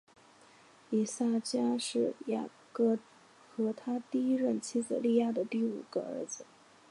以萨迦是雅各和他第一任妻子利亚的第五个儿子。